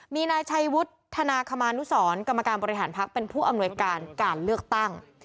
มีนายชัยวุฒิธนาคมานุสรกรรมการบริหารพักเป็นผู้อำนวยการการเลือกตั้ง